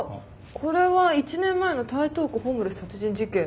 これは１年前の台東区ホームレス殺人事件。